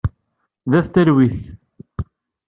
D at talwit.